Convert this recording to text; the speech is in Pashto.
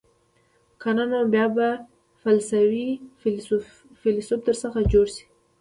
که نه نو بیا به فیلسوف در څخه جوړ شي.